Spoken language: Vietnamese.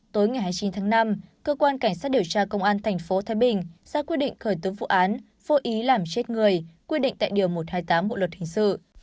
tối ngày hai mươi chín tháng năm cơ quan cảnh sát điều tra công an tp thái bình ra quyết định khởi tố vụ án vô ý làm chết người quy định tại điều một trăm hai mươi tám bộ luật hình sự